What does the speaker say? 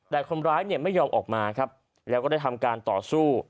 แต่คนร้ายเนี่ยไม่ยอมออกมาครับแล้วก็ได้ทำการต่อสู้